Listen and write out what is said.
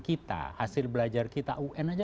kita hasil belajar kita un aja